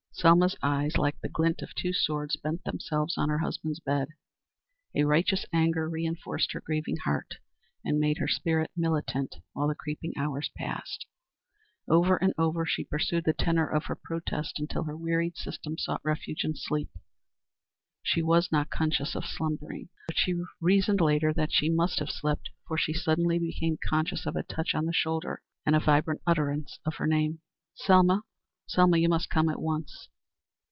Selma's eyes, like the glint of two swords, bent themselves on her husband's bed. A righteous anger reinforced her grieving heart and made her spirit militant, while the creeping hours passed. Over and over she pursued the tenor of her protest until her wearied system sought refuge in sleep. She was not conscious of slumbering, but she reasoned later that she must have slept, for she suddenly became conscious of a touch on the shoulder and a vibrant utterance of her name. "Selma, Selma, you must come at once."